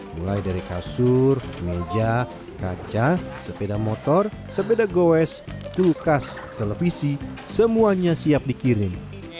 mulai dari kasur meja kaca sepeda motor sepeda goes tukas televisi semuanya siap dikirim